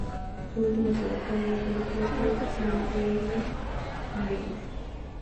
Su último trabajo en una película fue "The Incredible Mr.